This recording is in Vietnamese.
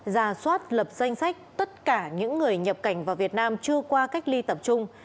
ra soát lập danh sách tất cả những người nhập cảnh vào việt nam chưa qua cách ly tập trung